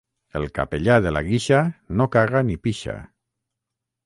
El capellà de la Guixa no caga ni pixa.